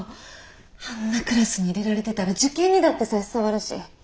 あんなクラスに入れられてたら受験にだって差し障るし。